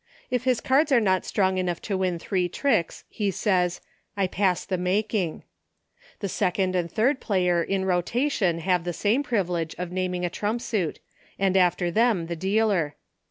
If his cards are not strong enough to win three tricks, he says, " I pass the making." The second and third player in rotation, have the same privi lege of naming a trump suit, and, after them, the dealer.